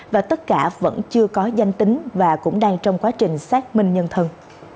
và tất cả vẫn chưa có danh tính và cũng đang trong quá trình xác minh nhân thân